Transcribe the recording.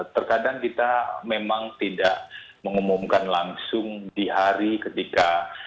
terkadang kita memang tidak mengumumkan langsung di hari ketika